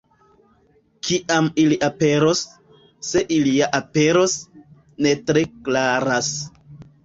Kiam ili aperos, se ili ja aperos, ne tre klaras.